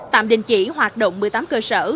tạm đình chỉ hoạt động một mươi tám cơ sở